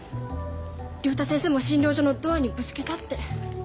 竜太先生も診療所のドアにぶつけたって。